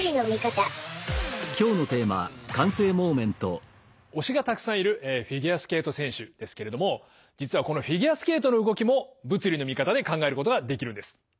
小林晋平の推しがたくさんいるフィギュアスケート選手ですけれども実はこのフィギュアスケートの動きも物理のミカタで考えることができるんです。